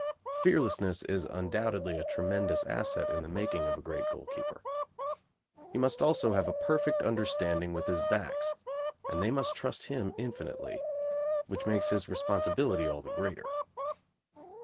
Fearlessness is undoubtedly a tremendous asset in the making of a great goalkeeper. He must also have a perfect understanding with his backs, and they must trust him infinitely, which makes his responsibility all the greater.